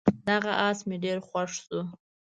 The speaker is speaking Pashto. دغه اس مې ډېر خوښ شو.